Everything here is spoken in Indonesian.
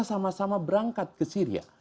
sama sama berangkat ke syria